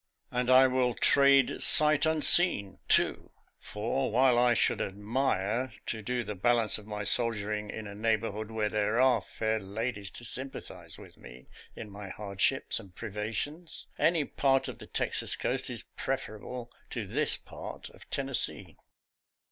And I will trade "sight unseen," too; for, while I should "admire" to do the balance of my sol diering in a neighborhood where there are fair ladies to sympathize with me in my hardships and privations, any part of the Texas coast is preferable to this part of Tennessee.